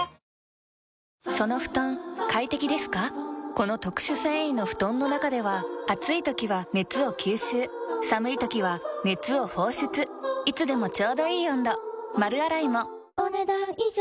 この特殊繊維の布団の中では暑い時は熱を吸収寒い時は熱を放出いつでもちょうどいい温度丸洗いもお、ねだん以上。